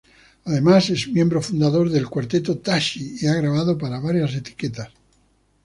Además, es miembro fundador del Cuarteto Tashi y ha grabado para varias etiquetas.